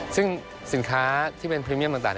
ซึ่งสินค้าที่เป็นพรีเมียมต่าง